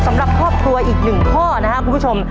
สำหรับครอบครัวอีกหนึ่งข้อนะครับคุณผู้ชม